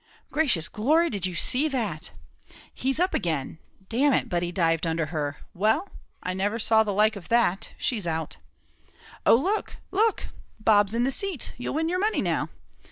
"Gracious glory! did you see that? He's up again; d n it but he dived under her; well, I never saw the like of that; she's out." "And look, look! Bob's in the seat you'll win your money now.